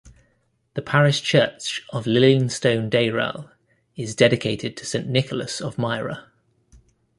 The parish church of Lillingstone Dayrell is dedicated to Saint Nicholas of Myra.